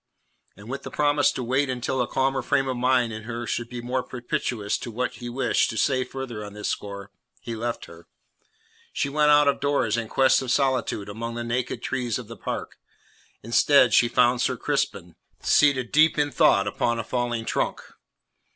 And with the promise to wait until a calmer frame of mind in her should be more propitious to what he wished to say further on this score, he left her. She went out of doors in quest of solitude among the naked trees of the park; instead she found Sir Crispin, seated deep in thought upon a fallen trunk.